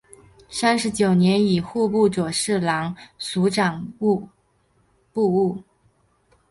三十九年以户部左侍郎署掌部务。